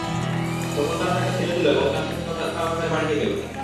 তখন তারা তাকে ছেড়ে দিল এবং তার সাথে তারা তাদের বাড়িতে গেল।